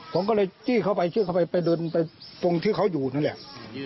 ผมก็เลยจี้เข้าไปจี้เข้าไปไปเดินไปตรงที่เขาอยู่นั่นแหละ